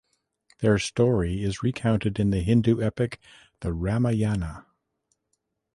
Their story is recounted in the Hindu epic, the Ramayana.